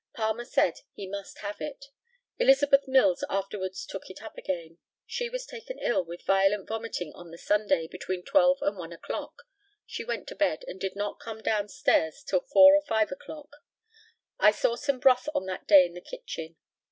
Palmer said he must have it. Elizabeth Mills afterwards took it up again. She was taken ill with violent vomiting on the Sunday, between twelve and one o'clock. She went to bed, and did not come down stairs till four or five o'clock. I saw some broth on that day in the kitchen.